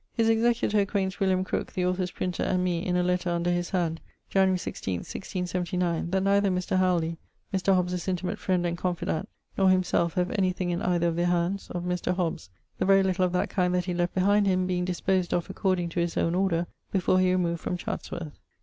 His executor acquaints William Crooke (the author's printer) and me, in a lettre under his hand January 16, 1679, that neither Mr. Halleley (Mr. Hobbes's intimate friend and confident) nor him selfe have any thing in either of their hands of Mr. Hobbes's, the very little of that kind that he left behind him being disposed of 'according to his own order' before he removed from Chatsworth.